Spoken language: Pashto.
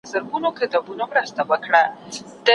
که غږ بدل شي مانا بدلېږي.